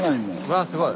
わあすごい！